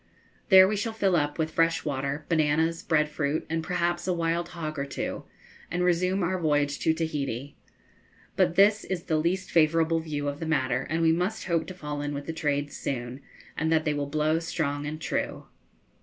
There we shall fill up with fresh water, bananas, bread fruit, and perhaps a wild hog or two, and resume our voyage to Tahiti. But this is the least favourable view of the matter, and we must hope to fall in with the trades soon, and that they will blow strong and true.